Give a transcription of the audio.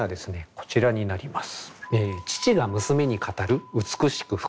こちらになります。